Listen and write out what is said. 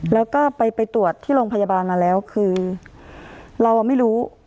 แล้วก็ไปตรวจโรงพยาบาลก็ไม่รู้